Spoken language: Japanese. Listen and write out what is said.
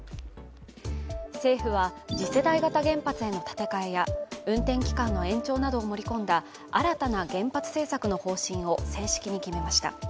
政府は次世代型原発への建て替えや運転期間の延長などを盛り込んだ新たな原発政策の方針を正式に決めました。